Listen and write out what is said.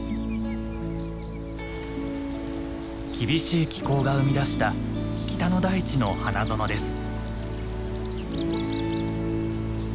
厳しい気候が生み出した北の大地の花園です。